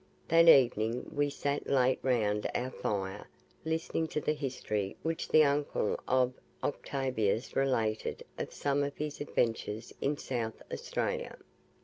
That evening we sat late round our fire listening to the history which the uncle of Octavius related of some of his adventures in South Australia.